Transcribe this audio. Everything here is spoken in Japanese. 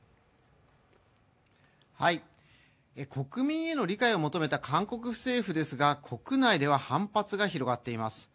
国民への理解を求めた韓国政府ですが、国内では反発が広がっています。